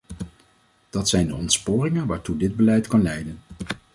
Dat zijn de ontsporingen waartoe dit beleid kan leiden.